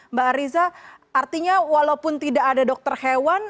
mbak ariza artinya walaupun tidak ada dokter hewan